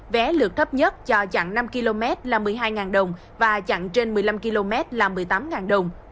vé lượt thấp nhất cho chặn năm km là một mươi hai đồng và chặn trên một mươi năm km là một mươi tám đồng